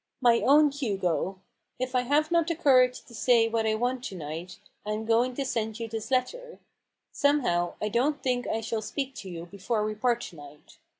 " My own Hugo, "If I have not the courage to say 180 A BOOK OF BARGAINS. what I want to to night, I am going to send yon this letter. Somehow t I don't think 1 shall speak to you before we pari to night.